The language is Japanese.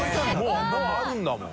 發あるんだもん。